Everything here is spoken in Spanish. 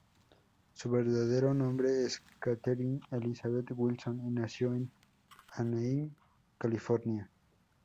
Su verdadero nombre era Katherine Elisabeth Wilson, y nació en Anaheim, California.